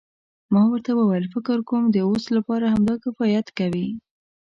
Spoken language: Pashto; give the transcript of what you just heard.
ما ورته وویل فکر کوم د اوس لپاره همدا کفایت کوي.